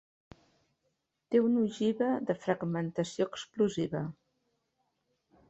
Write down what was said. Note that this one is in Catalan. Té una ogiva de fragmentació explosiva.